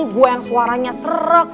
gue yang suaranya serek